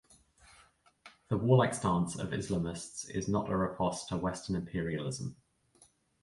The warlike stance of Islamists is not a riposte to Western imperialism.